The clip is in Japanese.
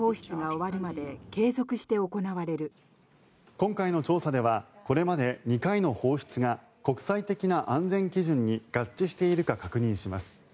今回の調査ではこれまで２回の放出が国際的な安全基準に合致しているか確認します。